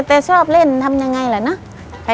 แต่ชอบเล่นทำยังไงล่ะนะ